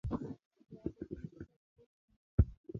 د عددونو ژبه د پوهې ژبه ده.